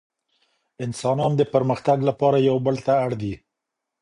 انسانان د پرمختګ لپاره يو بل ته اړ دي.